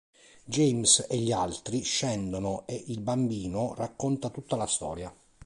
James e gli altri scendono e il bambino racconta tutta la storia.